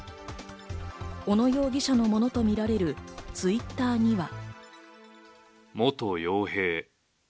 小野容疑者のものとみられるＴｗｉｔｔｅｒには。